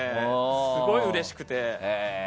すごいうれしくて。